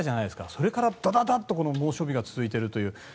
それからダダダッと猛暑日が続いているという。